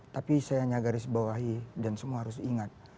tapi saya hanya garis bawahi dan semua harus ingat